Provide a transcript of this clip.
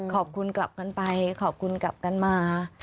ขอบคุณกลับกันไปขอบคุณกลับกันมา